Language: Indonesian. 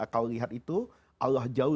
kau lihat itu allah jauh